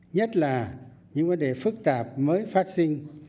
nhất là những vấn đề phức tạp mới phát sinh